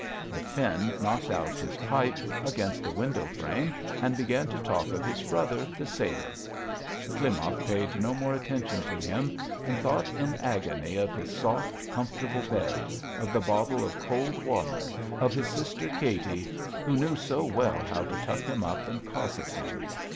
The Finn knocked out his pipe against the window frame and began to talk of his brother, the sailor. Klimov paid no more attention to him and thought in agony of his soft, comfortable bed, of the bottle of cold water, of his sister Katy, who knew so well how to tuck him up and cosset him.